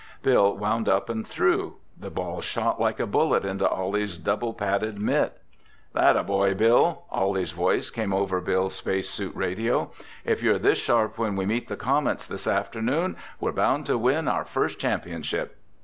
Bill wound up and threw. The ball shot like a bullet into Ollie's double padded mitt. "Thatta boy, Bill!" Ollie's voice came over Bill's space suit radio. "If you're this sharp when we meet the Comets this afternoon, we're bound to win our first championship!"